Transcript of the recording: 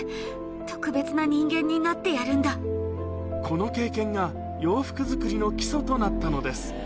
この経験が洋服作りの基礎となったのです